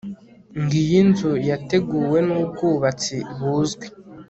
ngiyo inzu yateguwe nubwubatsi buzwi